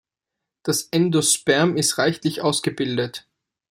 Das Endosperm ist reichlich ausgebildet.